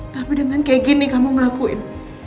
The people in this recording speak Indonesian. tapi dengan kayak gini kamu ngelakuin